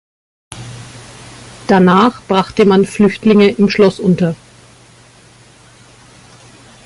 Danach brachte man Flüchtlinge im Schloss unter.